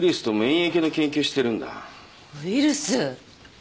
ウイルス！？